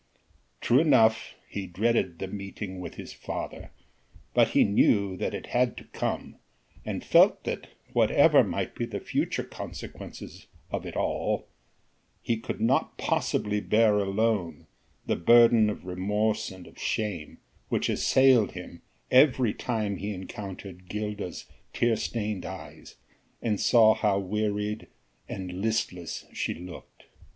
True enough, he dreaded the meeting with his father, but he knew that it had to come, and felt that, whatever might be the future consequences of it all he could not possibly bear alone the burden of remorse and of shame which assailed him every time he encountered Gilda's tear stained eyes, and saw how wearied and listless she looked.